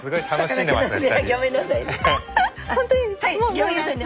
ギョめんなさいね。